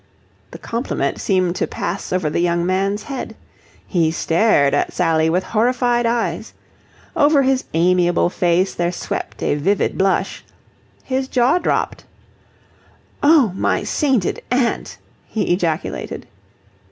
The compliment seemed to pass over the young man's head. He stared at Sally with horrified eyes. Over his amiable face there swept a vivid blush. His jaw dropped. "Oh, my sainted aunt!" he ejaculated.